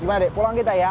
gimana deh pulang kita ya